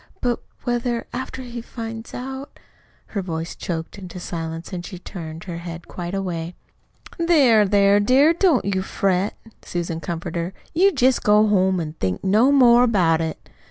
But, whether, after he finds out " Her voice choked into silence and she turned her head quite away. "There, there, dear, don't you fret," Susan comforted her. "You jest go home and think no more about it.